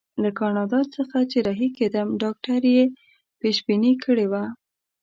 له کاناډا څخه چې رهي کېدم ډاکټر یې پېشبیني کړې وه.